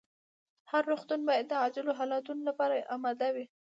هر روغتون باید د عاجلو حالتونو لپاره اماده وي.